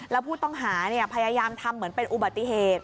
แล้วผู้ต้องหาพยายามทำเหมือนเป็นอุบัติเหตุ